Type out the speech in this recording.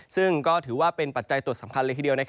ซึ่งก็ถือว่าเป็นปัจจัยตัวสำคัญเลยทีเดียว